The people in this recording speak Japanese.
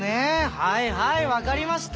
はいはいわかりました。